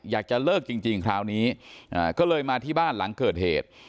อยากจะเลิกจริงคราวนี้ก็เลยมาที่บ้านหลังเกิดเหตุ